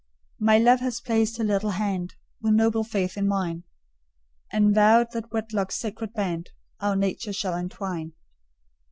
My love has placed her little hand With noble faith in mine, And vowed that wedlock's sacred band Our nature shall entwine.